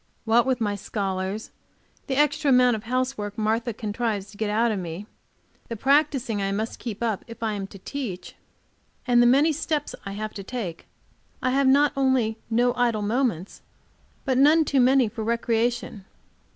What with my scholars, the extra amount of housework Martha contrives to get out of me, the practicing I must keep up if I am to teach, and the many steps I have to take, I have not only no idle moments, but none too many for recreation.